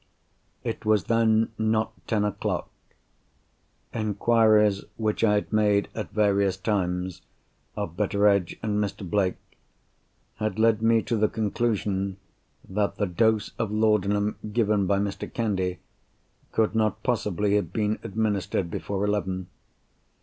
It was then not ten o'clock. Inquiries which I had made, at various times, of Betteredge and Mr. Blake, had led me to the conclusion that the dose of laudanum given by Mr. Candy could not possibly have been administered before eleven.